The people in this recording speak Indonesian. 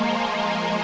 nanti aku datang